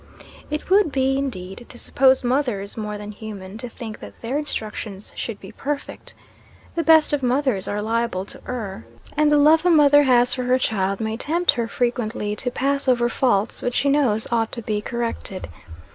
It would be, indeed, to suppose mothers more than human to think that their instructions should be perfect. The best of mothers are liable to err, and the love a mother has for her child may tempt her frequently to pass over faults which she knows ought to be corrected.